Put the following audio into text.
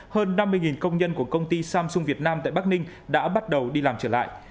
hơn năm mươi công nhân của công ty samsung việt nam tại bắc ninh đã bắt đầu đi làm trở lại